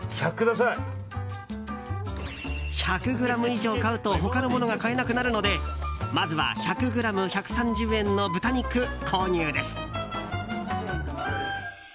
１００ｇ以上買うと他のものが買えなくなるのでまずは１００ｇ１３０円の豚肉購入です。